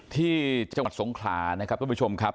ที่จังหวัดสงขลานะครับทุกผู้ชมครับ